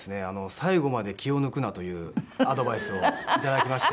「最後まで気を抜くな」というアドバイスをいただきまして。